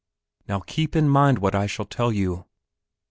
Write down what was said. Now keep in mind what I shall tell you.